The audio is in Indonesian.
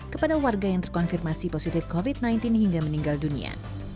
kepada warga yang terkonfirmasi positif covid sembilan belas hingga meninggal dunia